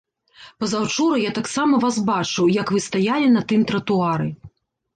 Пазаўчора я таксама вас бачыў, як вы стаялі на тым тратуары.